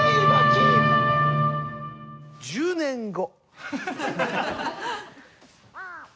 １０年後。